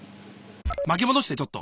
巻き戻してちょっと！